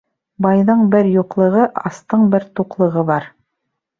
Байҙың бер юҡлығы, астың бер туҡлығы бар.